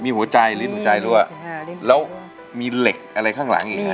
มีหัวใจหรือฤทธิ์หัวใจรั่วแล้วมีเหล็กอะไรข้างหลังอีกไหม